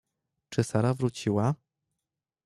"Czy Sara wróciła?"